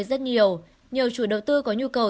rất nhiều nhiều chủ đầu tư có nhu cầu